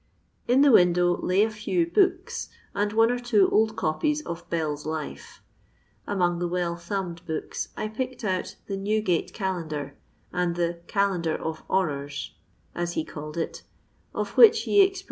In the window lay a few books, and one or two old copies of BelCs Life. Among the well thumbed books, I picked out the NtwffoU Calendar, and the " CcUeiidar of Orrei's" as he called it, of which he expressed a very high opinion.